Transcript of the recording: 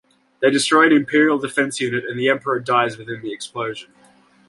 They destroy an imperial defense unit and the Emperor dies within the explosion.